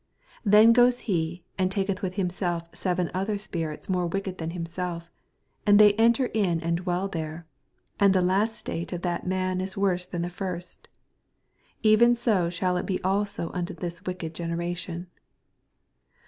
45 Then goeth he, and taketh with himself seven other spirits more wicked than himself, and they enter in and dwell there : and the last atait of that man is worse than the first. Even so shall it be also nnto this wicked generation.